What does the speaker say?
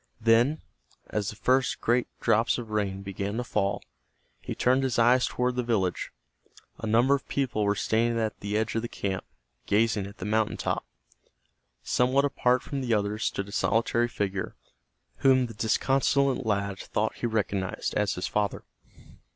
Then, as the first great drops of rain began to fall, he turned his eyes toward the village. A number of people were standing at the edge of the camp, gazing at the mountain top. Somewhat apart from the others stood a solitary figure, whom the disconsolate lad thought he recognized as his father.